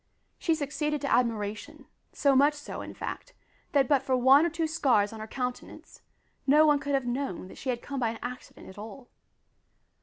She succeeded to admiration, so much so, in fact, that but for one or two scars on her countenance, no one could have known that she had come by an accident at all.